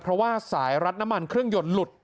เพราะว่าสายรัดน้ำมันเครื่องยนต์หลุด